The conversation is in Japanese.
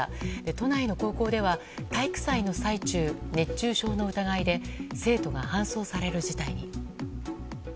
都内の高校では体育祭の最中熱中症の疑いで生徒が搬送される事態に。